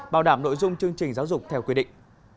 bảo đảm nội dung chương trình giáo dục theo quy định